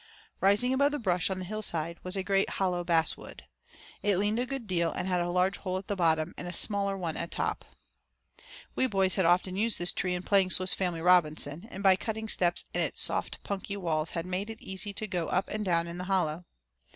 Rising above the brush on the hillside was a great hollow basswood. It leaned a good deal and had a large hole at the bottom, and a smaller one at top. We boys had often used this tree in playing Swiss Family Robinson, and by cutting steps in its soft punky walls had made it easy to go up and down in the hollow.